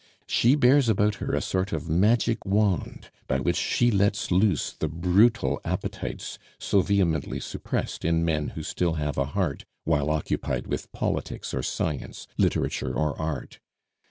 She bears about her a sort of magic wand by which she lets loose the brutal appetites so vehemently suppressed in men who still have a heart while occupied with politics or science, literature or art.